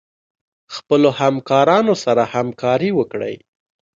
خپلو همکارانو سره همکاري وکړئ.